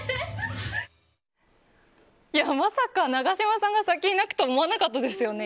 まさか永島さんが先に泣くとは思わなかったですよね。